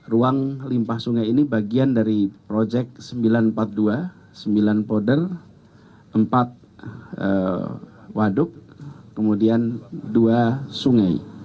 ruang limpah sungai ini bagian dari proyek sembilan ratus empat puluh dua sembilan powder empat waduk kemudian dua sungai